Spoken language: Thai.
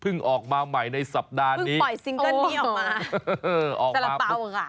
เพิ่งออกมาใหม่ในสัปดาห์นี้โอ้โฮสาระเป๋าค่ะ